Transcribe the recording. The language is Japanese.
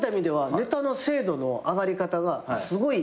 ネタの精度の上がり方がすごい